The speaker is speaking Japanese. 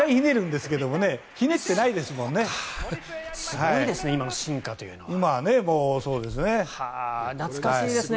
すごいですね今の進化というのは。懐かしいですね。